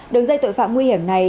đường dây tội phạm nguy hiểm này